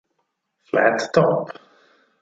Flat Top